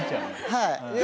はい。